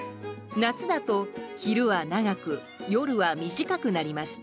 夏だと昼は長く夜は短くなります。